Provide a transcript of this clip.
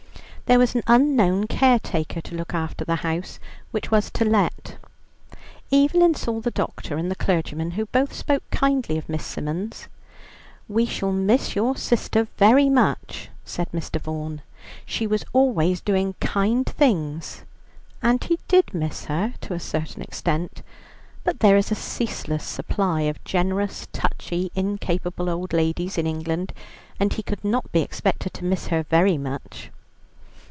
There was an unknown caretaker to look after the house, which was to let. Evelyn saw the doctor and the clergyman, who both spoke kindly of Miss Symons. "We shall miss your sister very much," said Mr. Vaughan, "she was always doing kind things," and he did miss her to a certain extent, but there is a ceaseless supply of generous, touchy incapable old ladies in England, and he could not be expected to miss her very much.